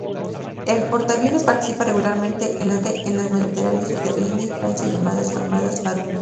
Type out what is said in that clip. El portaaviones participa regularmente en las maniobras bilaterales entre India y Francia llamadas Varuna.